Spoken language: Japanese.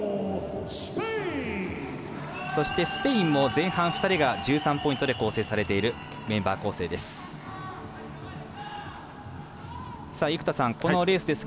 そして、スペインも前半２人が１３ポイントで構成されているメンバー構成です。